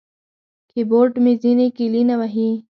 کیبورډ مې ځینې کیلي نه وهي.